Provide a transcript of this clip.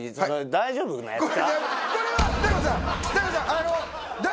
大丈夫なやつ。